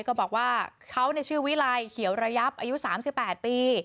ก็บอกว่าเขาชื่อวิไลเขียวระยับอายุ๓๘ปี